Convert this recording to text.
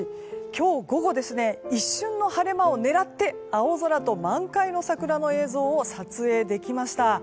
今日午後、一瞬の晴れ間を狙って青空と満開の桜の映像を撮影できました。